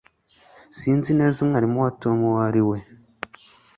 Sinzi neza umwarimu wa Tom uwo ari we